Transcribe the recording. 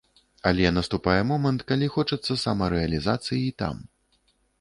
Але наступае момант, калі хочацца самарэалізацыі і там.